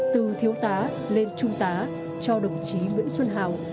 từ thiếu tá lên trung tá cho đồng chí nguyễn xuân hào